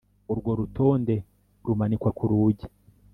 urwo rutonde rumanikwa kurugi